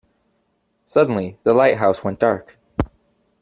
Suddenly, the lighthouse went dark.